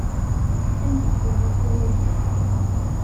Amek it-ga latay agi?